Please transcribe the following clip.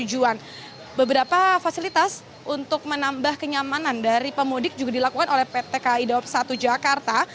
beberapa fasilitas untuk menambah kenyamanan dari pemudik juga dilakukan oleh pt kai dawab satu jakarta